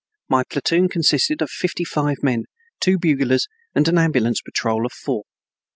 My platoon consisted of fifty five men, two buglers, and an ambulance patrol of four.